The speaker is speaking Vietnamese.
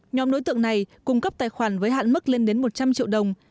nhóm đối tượng này cung cấp tài khoản với hạn mức lên đến một trăm linh triệu đồng